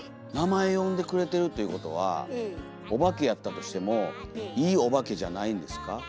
名前呼んでくれてるっていうことはおばけやったとしてもいいおばけじゃないんですか？